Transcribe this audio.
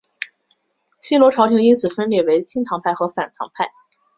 新罗朝延因此分裂为亲唐派和反唐派。